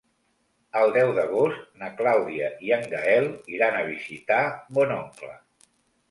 El deu d'agost na Clàudia i en Gaël iran a visitar mon oncle.